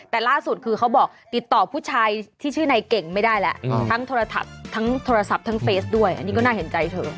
แต่ล่าสุดคือเขาบอกติดต่อผู้ชายที่ชื่อในเก่งไม่ได้แล้วทั้งโทรศัพท์ทั้งเฟสด้วยอันนี้ก็น่าเห็นใจเธอ